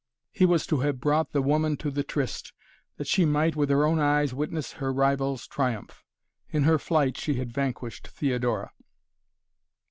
He was to have brought the woman to the tryst, that she might, with her own eyes, witness her rival's triumph. In her flight she had vanquished Theodora.